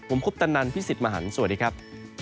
ผมคุปตะนันพี่สิทธิ์มหันฯสวัสดีครับ